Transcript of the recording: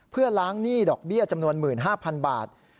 เพื่อล้างหนี้ดอกเบี้ยจำนวน๑๕๐๐๐บาท